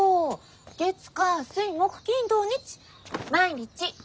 月火水木金土日毎日。